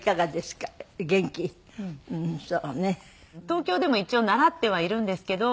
東京でも一応習ってはいるんですけど。